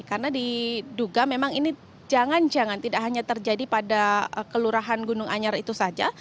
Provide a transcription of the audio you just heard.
karena diduga memang ini jangan jangan tidak hanya terjadi pada kelurahan gunung anyar itu saja